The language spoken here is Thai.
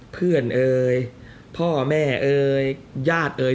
เพื่อนเอ๋ยพ่อแม่เอ๋ยญาติเอ๋ย